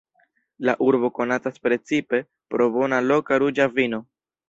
La urbo konatas precipe pro bona loka ruĝa vino.